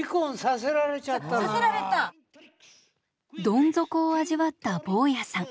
どん底を味わった坊屋さん。